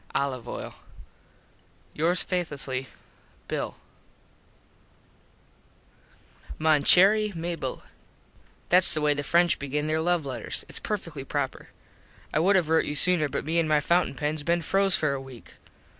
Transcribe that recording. Olive oil. Yours faithlessly, Bill. Mon Cherry Mable: Thats the way the French begin there love letters. Its perfectly proper. I would have rote you sooner but me an my fountin pens been froze for a week.